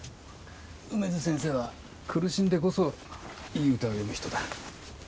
梅津先生は苦しんでこそいい歌を詠む人だ。